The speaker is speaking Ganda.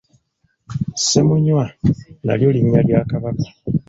Ssemunywa nalyo linnya lya Kabaka.